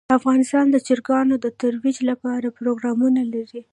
افغانستان د چرګانو د ترویج لپاره پروګرامونه لري.